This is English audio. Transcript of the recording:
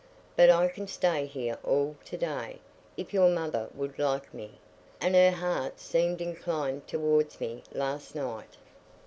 But I can stay here all to day, if your mother would like me; and her heart seemed inclined towards me last night."